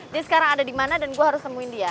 dia sekarang ada dimana dan gue harus temuin dia